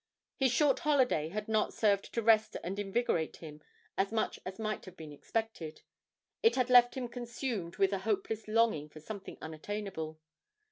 His short holiday had not served to rest and invigorate him as much as might have been expected; it had left him consumed with a hopeless longing for something unattainable.